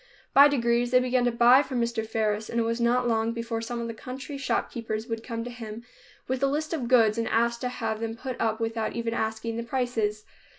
By degrees they began to buy from Mr. Faris, and it was not long before some of the country shopkeepers would come to him with a list of goods and ask to have them put up without even asking the prices.